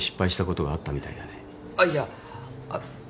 あっいやあっ